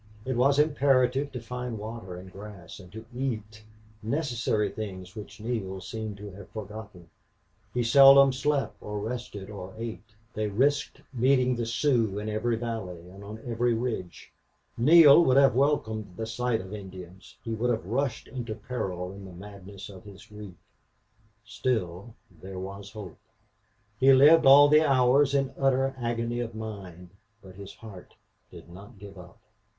It was imperative to find water and grass, and to eat, necessary things which Neale seemed to have forgotten. He seldom slept or rested or ate. They risked meeting the Sioux in every valley and on every ridge. Neale would have welcomed the sight of Indians; he would have rushed into peril in the madness of his grief. Still, there was hope! He lived all the hours in utter agony of mind, but his heart did not give up.